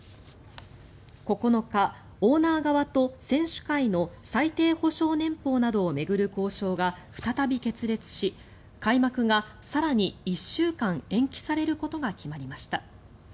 ９日、オーナー側と選手会の最低保証年俸などを巡る交渉が再び決裂し開幕が更に１週間延期されることが決まりました。